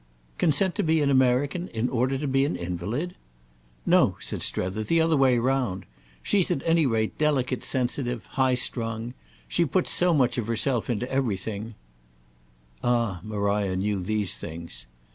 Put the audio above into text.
"Consent to be an American in order to be an invalid?" "No," said Strether, "the other way round. She's at any rate delicate sensitive high strung. She puts so much of herself into everything—" Ah Maria knew these things!